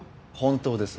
本当です。